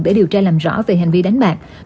để điều tra làm rõ về hành vi đánh bạc